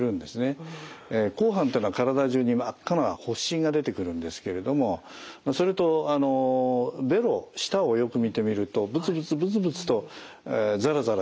紅斑っていうのは体じゅうに真っ赤な発疹が出てくるんですけれどもそれとベロ舌をよく見てみるとブツブツブツブツとざらざらして何か苺みたいな。